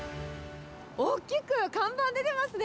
大きく看板出てますね。